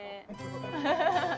アハハハ！